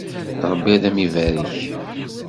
Rebbi ad am-ibarek.